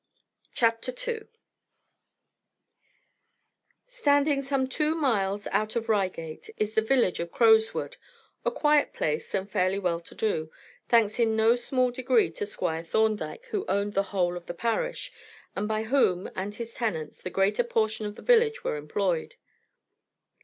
CHAPTER II Standing some two miles out of Reigate is the village of Crowswood, a quiet place and fairly well to do, thanks in no small degree to Squire Thorndyke, who owned the whole of the parish, and by whom and his tenants the greater portion of the village were employed.